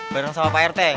bareng sama pak rt